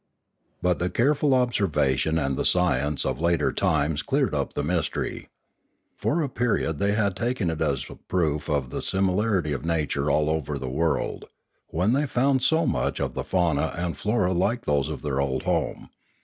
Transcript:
But the careful observation and the science of later 632 Limanora times cleared up the mystery. For a period they had taken it as a proof of the similarity of nature all over the world, when they found so much of the fauna and flora like those of their old home.